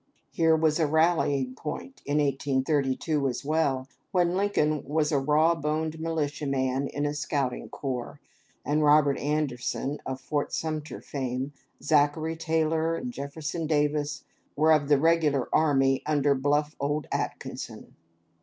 Here was a rallying point in 1832, as well, when Lincoln was a raw boned militiaman in a scouting corps, and Robert Anderson, of Fort Sumter fame, Zachary Taylor, and Jefferson Davis were of the regular army under bluff old Atkinson.